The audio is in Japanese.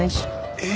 えっ？